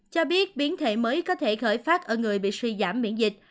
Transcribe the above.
cho biết biến thể mới có thể khởi phát ở người bị suy giảm miễn dịch